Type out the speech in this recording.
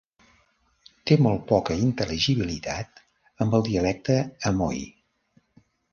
Té molt poca intel·ligibilitat amb el dialecte amoi.